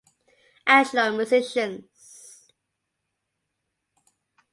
Additional musicians